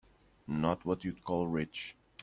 Not what you'd call rich.